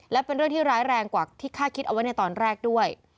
และเป็นเรื่องที่ร้ายแรงกว่าที่คาดคิดเอาไว้ในตอนแรกด้วย